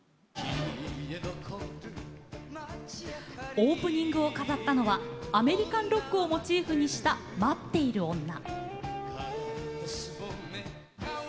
オープニングを飾ったのはアメリカンロックをモチーフにした「待っている女」。